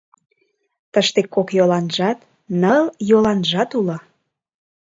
— Тыште кок йоланжат, ныл йоланжат уло.